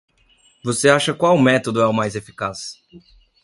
Você acha qual método é o mais eficaz?